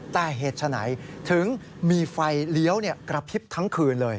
แต่เหตุฉะไหนถึงมีไฟเลี้ยวกระพริบทั้งคืนเลย